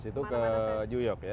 dua ribu dua belas itu ke new york ya